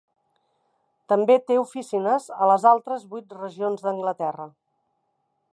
També té oficines a les altres vuit regions d'Anglaterra.